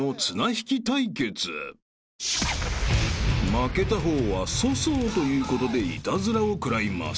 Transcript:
［負けた方は粗相ということでイタズラを食らいます］